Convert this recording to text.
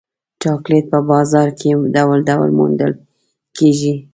چاکلېټ په بازار کې ډول ډول موندل کېږي.